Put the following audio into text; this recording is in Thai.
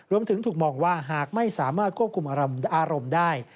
รวมถึงถูกมองว่าหากไม่สามารถควบคุมอารมณ์ได้